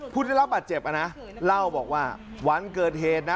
ผู้ได้รับบาดเจ็บนะเล่าบอกว่าวันเกิดเหตุนะ